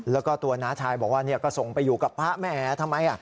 แล้วก็ตัวน้าชายบอกว่าก็ส่งไปอยู่กับพระแม่ทำไม